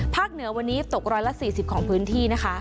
ภาคเหนือวันนี้ตกร้อยละ๔๐ของพื้นที่นะคะ